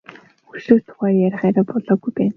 Хөгшрөх тухай ярих арай болоогүй байна.